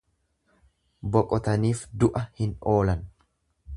Boqotaniif du'a hin oolan.